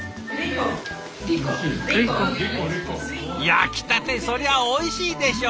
焼きたてそりゃおいしいでしょ！